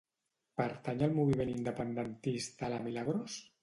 Pertany al moviment independentista la Milagros?